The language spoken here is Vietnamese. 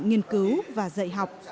nghiên cứu và dạy học